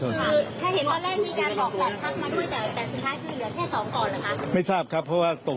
หรือแค่เห็นว่าแรกมีการบอกแข็ดภักดิ์มาก่อน